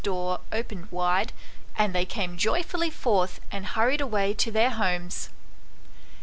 101 door opened wide, and they came joyfully forth and hurried away to their homes.